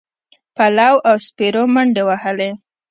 پلو او سپرو منډې وهلې.